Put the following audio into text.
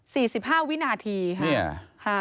สิบห้าวินาทีค่ะ